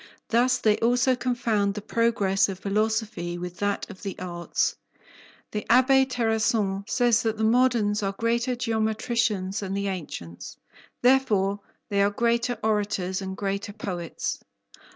Thus they also confound the progress of philosophy with that of the arts. The Abbé Terrasson says that the moderns are greater geometricians than the ancients; therefore they are greater orators and greater poets."